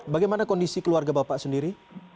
bagaimana kondisi keluarga bapak sendiri